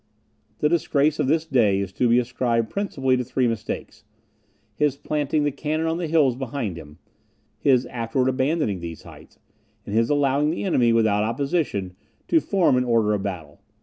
The disgrace of this day is to be ascribed principally to three mistakes; his planting the cannon on the hills behind him, his afterwards abandoning these heights, and his allowing the enemy, without opposition, to form in order of battle.